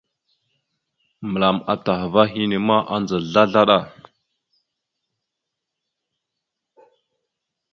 Məlam atah ava henne ma, adza slaslaɗa.